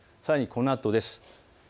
さらにこのあとです。